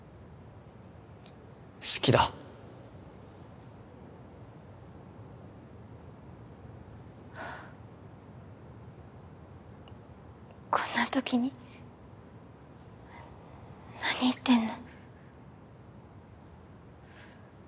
好きだこんな時に何言ってんの？